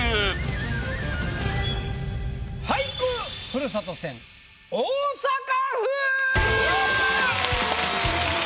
ふるさと戦大阪府！